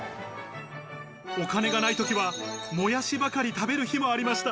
お金がないときはもやしばかり食べる日もありました。